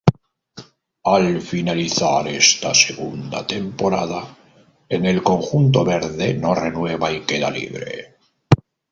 Al finalizar esta segunda temporada en el conjunto verde, no renueva y queda libre.